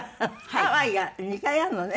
ハワイが２回あるのね。